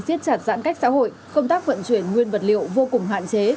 siết chặt giãn cách xã hội công tác vận chuyển nguyên vật liệu vô cùng hạn chế